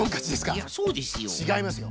いやそうですよ。ちがいますよ。